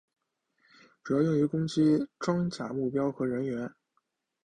主要用于攻击装甲目标和人员。